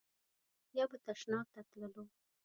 یا به تشناب ته تللو.